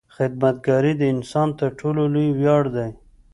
• خدمتګاري د انسان تر ټولو لوی ویاړ دی.